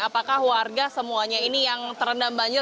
apakah warga semuanya ini yang terendam banjir